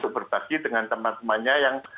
berbagi dengan teman temannya yang